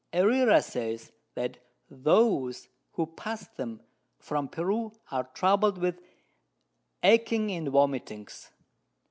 Herrera says, That those who pass them from Peru are troubled with Reachings and Vomitings.